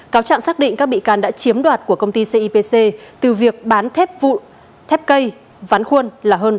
cáo trạng xác định các bị can đã chiếm đoạt của công ty cipc từ việc bán thép vụn thép cây ván khuôn là hơn tám trăm linh